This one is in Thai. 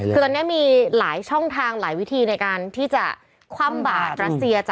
คือตอนนี้มีหลายช่องทางหลายวิธีในการที่จะคว่ำบาดรัสเซีย